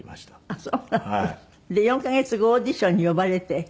あっそうなの。で４カ月後オーディションに呼ばれて。